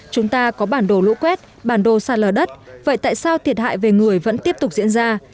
chúng ta có bản đồ lũ quét bản đồ sạt lở đất vậy tại sao thiệt hại về người vẫn tiếp tục diễn ra